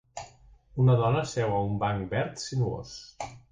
Una dona seu a un banc verd sinuós.